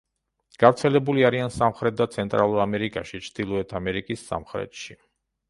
გავრცელებული არიან სამხრეთ და ცენტრალურ ამერიკაში, ჩრდილოეთ ამერიკის სამხრეთში.